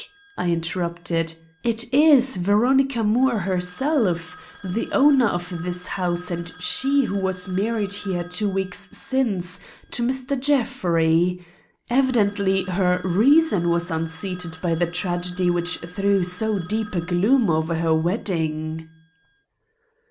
I interrupted, "it is Veronica Moore herself; the owner of this house and she who was married here two weeks since to Mr. Jeffrey. Evidently her reason was unseated by the tragedy which threw so deep a gloom over her wedding."